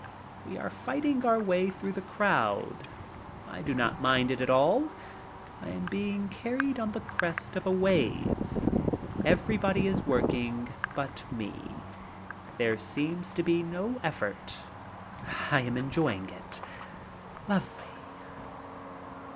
We are fighting our way through the crowd. I do not mind it at all. I am being carried on the crest of a wave. Everybody is working but me. There seems to be no effort. I am enjoying it — lovely.